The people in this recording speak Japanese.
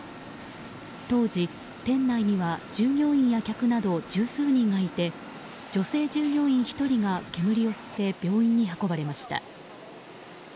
当時、店内には従業員や客など十数人がいて女性従業員１人が煙を吸って病院に運ばれました。